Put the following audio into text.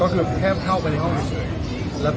มาเจอแล้วเร็วค่ะเมื่อกันพอร้อนน้องไป